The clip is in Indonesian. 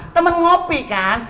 temen ngopi kan